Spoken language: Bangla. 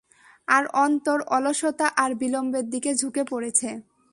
আর অন্তর অলসতা আর বিলম্বের দিকে ঝুঁকে পড়েছে।